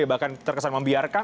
bahkan terkesan membiarkan